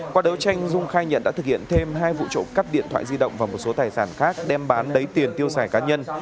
qua đấu tranh dung khai nhận đã thực hiện thêm hai vụ trộm cắp điện thoại di động và một số tài sản khác đem bán lấy tiền tiêu xài cá nhân